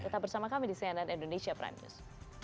tetap bersama kami di cnn indonesia prime news